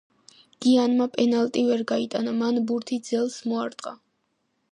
გიანმა პენალტი ვერ გაიტანა, მან ბურთი ძელს მოარტყა.